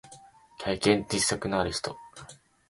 経験と実績のある人